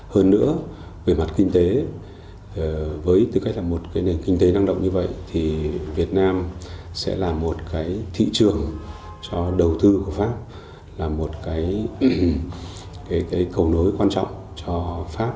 hơn nữa về mặt kinh tế với tư cách là một nền kinh tế năng động như vậy thì việt nam sẽ là một cái thị trường cho đầu tư của pháp là một cái cầu nối quan trọng cho pháp